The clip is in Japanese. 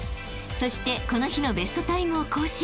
［そしてこの日のベストタイムを更新］